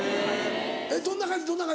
えっどんな感じ？